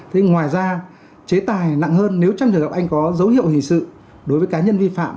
thế ngoài ra chế tài nặng hơn nếu trong trường hợp anh có dấu hiệu hình sự đối với cá nhân vi phạm